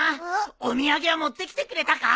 お土産は持ってきてくれたか？